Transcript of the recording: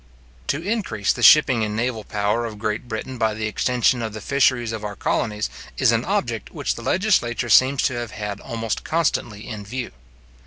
To increase the shipping and naval power of Great Britain by the extension of the fisheries of our colonies, is an object which the legislature seems to have had almost constantly in view.